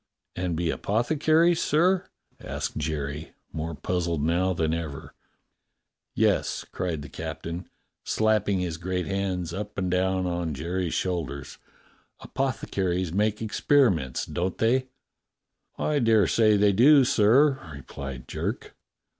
"And be apothecaries, sir.^" asked Jerry, more puz zled now than ever. "Yes," cried the captain, slapping his great hands up and down upon Jerry's shoulders. "Apothecaries make experiments, don't they.^" "I dare say they do, sir," replied Jerk.